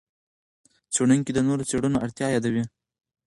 څېړونکي د نورو څېړنو اړتیا یادوي.